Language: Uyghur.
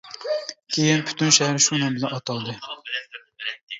كېيىن پۈتۈن شەھەر شۇ نام بىلەن ئاتالدى.